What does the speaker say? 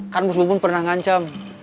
kan bos bubun pernah ngancem